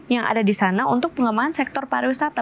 yang ada di sana untuk pengembangan sektor pariwisata